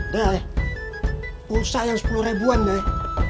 dah rusak yang sepuluh ribuan deh